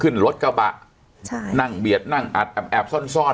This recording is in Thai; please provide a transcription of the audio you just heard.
ขึ้นรถกระบะใช่นั่งเบียดนั่งอัดแอบแอบซ่อนซ่อน